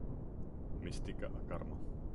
Mystika a karma.